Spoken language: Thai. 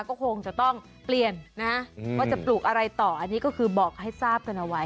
ก็คงจะต้องเปลี่ยนนะว่าจะปลูกอะไรต่ออันนี้ก็คือบอกให้ทราบกันเอาไว้